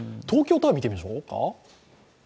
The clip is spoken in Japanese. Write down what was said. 東京タワー、見てみましょうか。